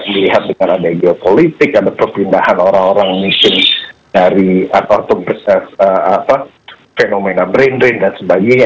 melihat dengan ada geopolitik ada perpindahan orang orang miskin dari atau fenomena brain drain dan sebagainya